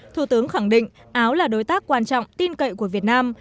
thủ tướng khẳng định áo là đối tác quan trọng tin cậy của việt nam